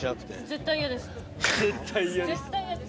絶対嫌です。